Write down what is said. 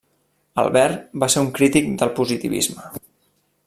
Albert va ser un crític del positivisme.